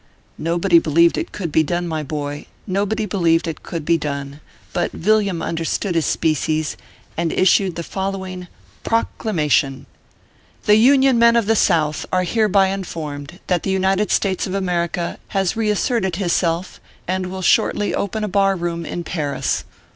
Nobody believed it could be done, my boy nobody believed it could be done ; but Villiam understood his species, and issued the following ORPHEUS C. KERR PAPERS. 319 PROCLAMATION. The Union men of the South are hereby informed that the United States of America has reasserted his self, and will shortly open a bar room in Paris.